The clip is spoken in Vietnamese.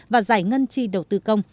và giải ngân tri đầu tư công